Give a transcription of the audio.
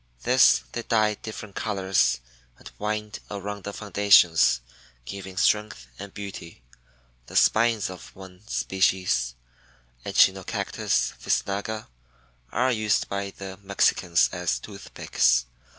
This they dye different colors and wind around the foundations, giving strength and beauty. The spines of one species (Echinocactus visnaga) are used by the Mexicans as toothpicks.